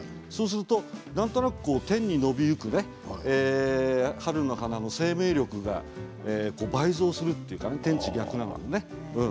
なんとなく天に伸びゆく春の花の生命力が倍増するというか天地が逆なのでね。